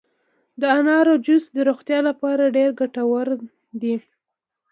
د انارو جوس د روغتیا لپاره ډیر ګټور دي.